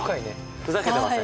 ふざけてません。